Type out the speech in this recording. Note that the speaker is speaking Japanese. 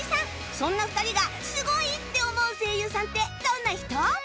そんな２人がすごいって思う声優さんってどんな人？